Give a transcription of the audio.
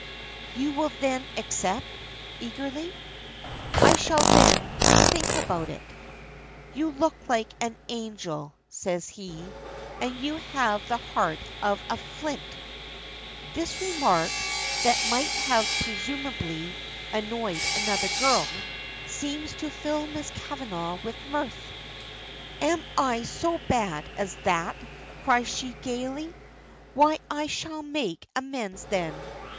"You will then accept?" eagerly. "I shall then think about it." "You look like an angel," says he, "and you have the heart of a flint." This remark, that might have presumably annoyed another girl, seems to fill Miss Kavanagh with mirth. "Am I so bad as that?" cries she, gaily. "Why I shall make amends then.